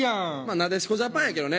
なでしこジャパンやけどね。